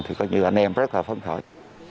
thì có như là anh em rất là phấn khởi